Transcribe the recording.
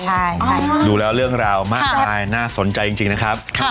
ใช่ใช่อ๋อดูแล้วเรื่องราวมากมายน่าสนใจจริงจริงนะครับครับ